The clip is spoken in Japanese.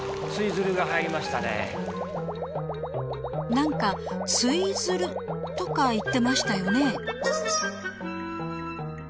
なんかツイズルとか言ってましたよね